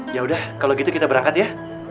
yaudah kalau gitu kita berangkat ya